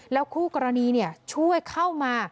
คู่กรณีช่วยเข้ามา